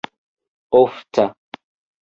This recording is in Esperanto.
ofta